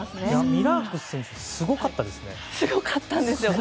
ミラーク選手すごかったですね。